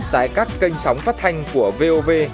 tại các kênh sóng phát thanh của vov